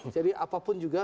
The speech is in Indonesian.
jadi apapun juga